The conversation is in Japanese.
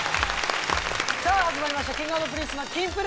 さぁ始まりましたＫｉｎｇ＆Ｐｒｉｎｃｅの『キンプる。』！